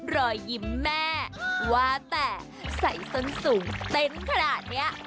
รอยยิ้มแม่ว่าแต่ใส่ส้นสูงเต้นขนาดนี้